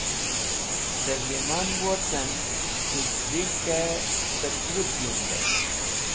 Ter lẽman wocẽn k̃hũ zikẽ tẽr pẽrũt yundẽn